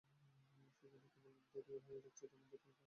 সেইজন্যে কেবলই দেরি হয়ে যাচ্ছে, তেমন জোরে ফাঁস কষতে পারছি নে।